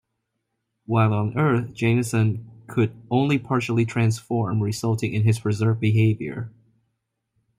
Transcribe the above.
While on Earth Jameson could only partially transform, resulting in his berserk behavior.